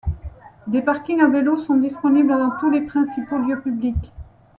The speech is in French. Des parkings à vélos sont disponibles dans tous les principaux lieux publics.